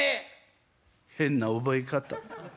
「変な覚え方。